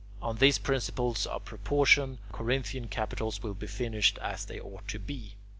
On these principles of proportion, Corinthian capitals will be finished as they ought to be.